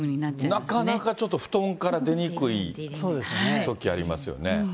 なかなかちょっと布団から出にくいときありますよね。